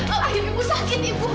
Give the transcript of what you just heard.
amir ibu sakit ibu